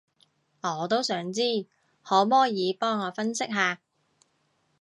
我都想知，可摸耳幫我分析下